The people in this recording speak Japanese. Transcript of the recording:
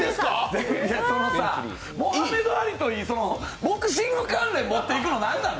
モハメド・アリといい、ボクシング関連持っていくの何なん？